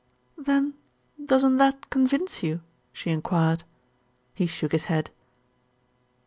"Then doesn't that convince you?" she enquired. He shook his head.